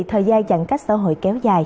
thời gian giãn cách xã hội kéo dài